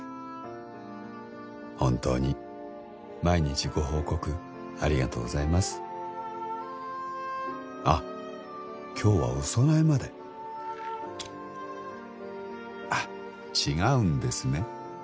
本当に毎日ご報告ありがとうございますあっ今日はお供えまであっ違うんですね